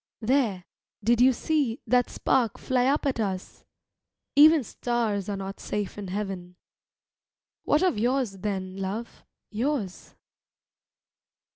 There, did you see That spark fly up at us; even Stars are not safe in heaven. What of yours, then, love, yours?